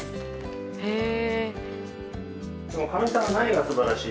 へえ。